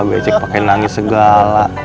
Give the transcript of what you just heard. becek pake nangis segala